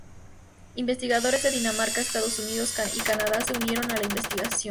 Investigadores de Dinamarca, Estados Unidos y Canadá se unieron a la investigación.